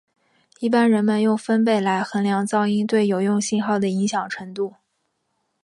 一般人们用分贝来衡量噪音对有用信号的影响程度。